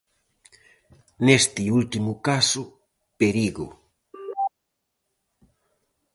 Neste último caso, perigo.